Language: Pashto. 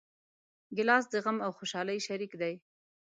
ګیلاس د غم او خوشحالۍ شریک دی.